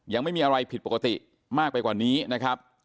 ยังไม่มีอะไรผิดปกติมากไปกว่านี้นะครับ